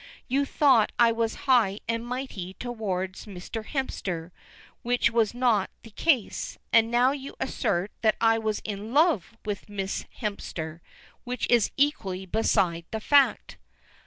You thought I was high and mighty toward Mr. Hemster, which was not the case, and now you assert that I was in love with Miss Hemster, which is equally beside the fact."